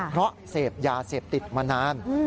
เพราะเสพยาเสพติดมานาน